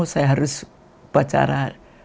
saya harus berbacara